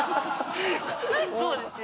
そうですよね。